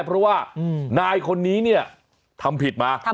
เพราะว่านายคนนี้เนี่ยทำผิดมา